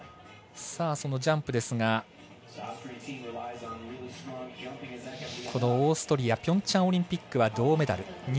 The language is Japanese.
ジャンプですがオーストリアピョンチャンオリンピック銅メダル。